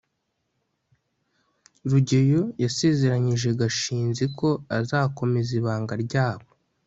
rugeyo yasezeranyije gashinzi ko azakomeza ibanga ryabo